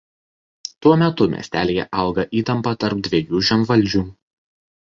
Tuo metu miestelyje auga įtampa tarp dviejų žemvaldžių.